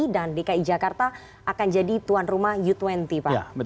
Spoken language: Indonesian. dan dki jakarta akan jadi tuan rumah u dua puluh pak